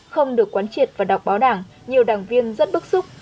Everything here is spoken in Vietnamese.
không được quán triệt và đọc báo đảng nhiều đảng viên rất bức xúc